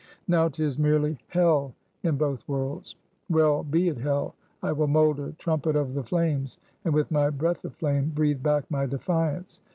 Now, 'tis merely hell in both worlds. Well, be it hell. I will mold a trumpet of the flames, and, with my breath of flame, breathe back my defiance!